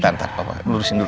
tahan papa lurusin dulu